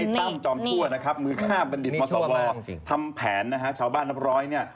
มีตั้มจอมทั่วมือค่าบันดิษฐ์มศทำแผนชาวบ้านนับร้อย